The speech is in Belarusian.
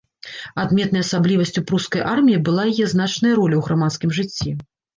Адметнай асаблівасцю прускай арміі была яе значная роля ў грамадскім жыцці.